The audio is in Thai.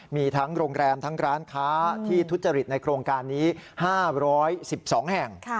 มีทั้งโรงแรมทั้งร้านค้าที่ทุจริตในโครงการนี้๕๑๒แห่ง